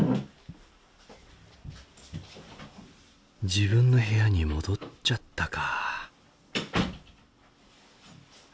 自分の部屋に戻っちゃったか。